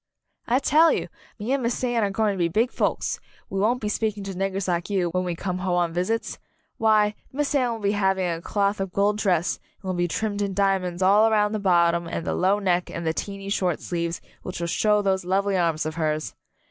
"I tell you, me and Miss Anne are go ing to be big folks ! We won't be speak ing to niggers like you, when we come home on visits. Why, Miss Anne will be having a cloth of gold dress, and it will be trimmed in diamonds all round the bottom and the low neck and the teeny short sleeves, which will show those lovely arms of hers